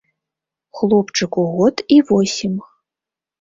Хлопчыку год і восем.